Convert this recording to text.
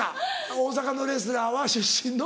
大阪のレスラーは出身の。